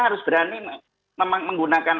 harus berani menggunakan